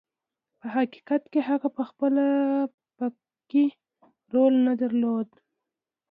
په حقیقت کې هغه پخپله پکې رول نه درلود.